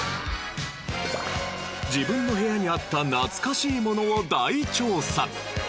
自分の部屋にあった懐かしいものを大調査！